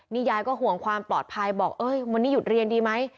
นี่ยายก็ห่วงความปลอดภัยบอกเอ้ยวันนี้หยุดเรียนดีไหม